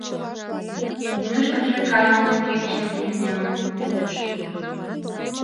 Мӱшкыржӧ кажне кечын няням йодеш.